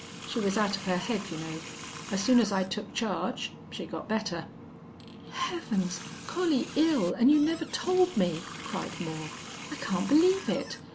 She was out of her head, you know. An' soon as I took charge she got better." "Heavens! Collie ill and you never told me!" cried Moore. "I can't believe it.